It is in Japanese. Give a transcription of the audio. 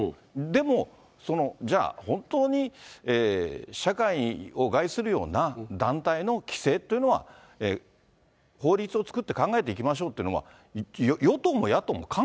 でもじゃあ、本当に社会を害するような、団体の規制というのは、法律を作って考えていきましょうというのは、できると思います。